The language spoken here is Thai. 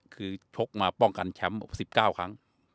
คือชกมาป้องกันแชมป์๑๙ครั้ง